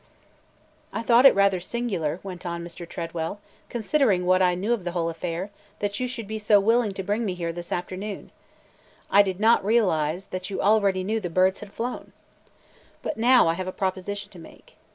"I thought it rather singular," went on Mr. Tredwell, "considering what I knew of the whole affair, that you should be so willing to bring me here this afternoon. I did not realize that you already knew the birds had flown! But now I have a proposition to make.